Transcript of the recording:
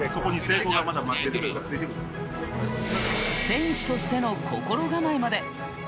選手としての心構えまで！